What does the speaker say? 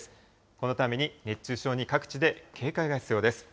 このために、熱中症に各地で警戒が必要です。